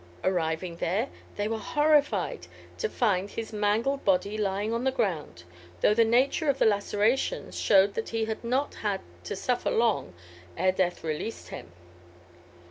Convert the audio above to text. Arriving there, they were horrified to find his mangled body lying on the ground, though the nature of the lacerations showed that he had not had to suffer long ere death released him.